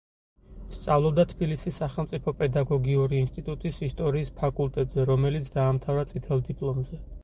სწავლობდა თბილისის სახელმწიფო პედაგოგიური ინსტიტუტის ისტორიის ფაკულტეტზე რომელიც დაამთავრა წითელ დიპლომზე.